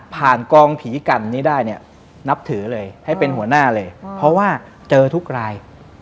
กองผีกันนี้ได้เนี่ยนับถือเลยให้เป็นหัวหน้าเลยเพราะว่าเจอทุกราย